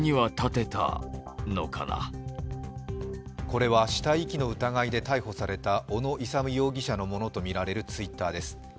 これは死体遺棄の疑いで逮捕された小野勇容疑者のものとみられるＴｗｉｔｔｅｒです。